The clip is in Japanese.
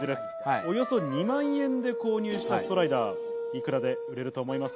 およそ２万円で購入したストライダー、いくらで売れると思います